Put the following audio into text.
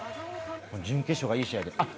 準決勝がいい試合であっ